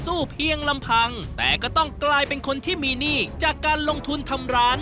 แต่พี่ออกมาต้องเสื้อผ้าแล้วไม่เอา